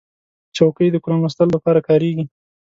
چوکۍ د قرآن لوستلو لپاره کارېږي.